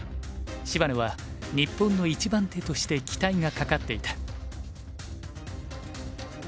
芝野は日本の１番手として期待がかかっていた。